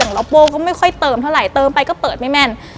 แล้วโป้ก็ไม่ค่อยเติมเท่าไหร่เติมไปก็เปิดไม่แม่น